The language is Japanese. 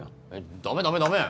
ダメダメダメ。